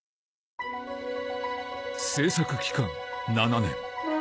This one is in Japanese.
制作期間７年